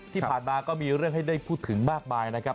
ที่ผ่านมาก็มีเรื่องให้ได้พูดถึงมากมายนะครับ